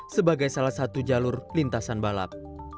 sebagai salah satu jalur lintasan balap